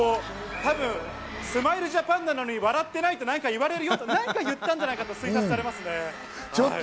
多分、スマイルジャパンなのに笑っていないと何か言われるよと何か言ったんじゃないかなと推察されますね。